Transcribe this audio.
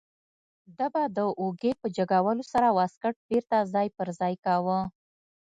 ده به د اوږې په جګولو سره واسکټ بیرته ځای پر ځای کاوه.